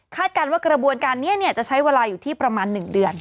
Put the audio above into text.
คาดการณ์ว่ากระบวนการนี้เนี่ยจะใช้เวลาอยู่ที่๑เดือน